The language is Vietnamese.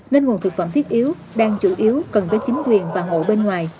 nên nguồn thực phẩm thiết yếu đang chủ yếu cần với chính quyền và ngộ bên ngoài